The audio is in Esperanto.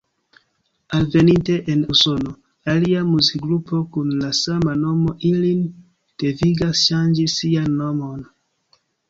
Alveninte en Usono, alia muzikgrupo kun la sama nomo ilin devigas ŝanĝi sian nomon.